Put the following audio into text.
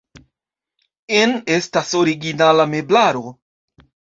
En estas originala meblaro.